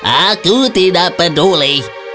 aku tidak peduli